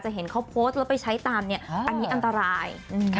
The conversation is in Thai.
เห็นเขาโพสต์แล้วไปใช้ตามเนี่ยอันนี้อันตราย